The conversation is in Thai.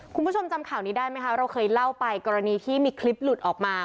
คุณผู้ชมจำข่าวนี้ได้ไหมคะเราเคยเล่าไปกรณีที่มีคลิปหลุดออกมา